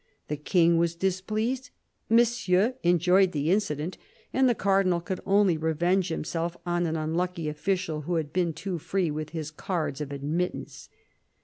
The King was displeased ; Monsieur enjoyed the incident ; and the Cardinal could only revenge himself on an unlucky official who had been too free with his cards of admittance.